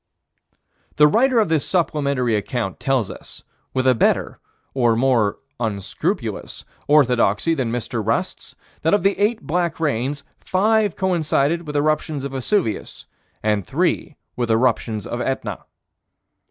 The writer of this supplementary account tells us, with a better, or more unscrupulous, orthodoxy than Mr. Rust's, that of the eight black rains, five coincided with eruptions of Vesuvius and three with eruptions of Etna.